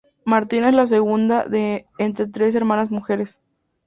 Martina es la segunda de entre tres hermanas mujeres.